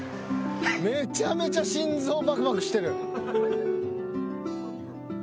めちゃめちゃ心臓バクバクしてる。